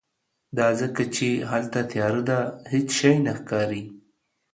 دا ځکه چې هلته تیاره ده، هیڅ شی نه ښکاری